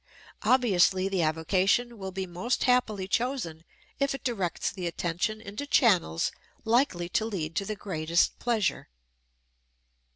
Obviously the avocation will be most happily chosen if it directs the attention into channels likely to lead to the greatest pleasure.